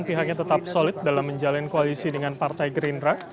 pihaknya tetap solid dalam menjalin koalisi dengan partai gerindra